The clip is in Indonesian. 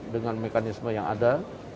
dengan mekanisme yang ada